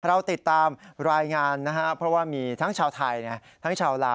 เราติดตามรายงานนะครับเพราะว่ามีทั้งชาวไทยทั้งชาวลาว